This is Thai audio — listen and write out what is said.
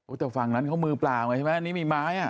แต่ฝั่งนั้นเขามือเปล่าไงใช่ไหมอันนี้มีไม้อ่ะ